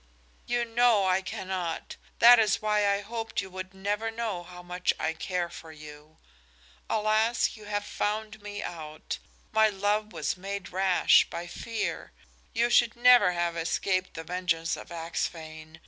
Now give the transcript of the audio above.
"You know I cannot. That is why I hoped you would never know how much I care for you. Alas, you have found me out! My love was made rash by fear. You could never have escaped the vengeance of Axphain.